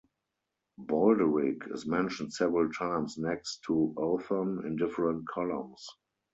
Baldéric is mentioned several times next to Othon in different columns.